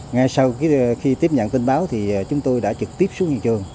ngay sau khi tiếp nhận tin báo thì chúng tôi đã trực tiếp xuống hiện trường